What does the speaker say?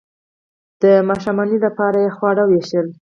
د ماښامنۍ لپاره یې خواړه ویشل.